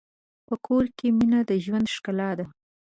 په کور کې مینه د ژوند ښکلا ده.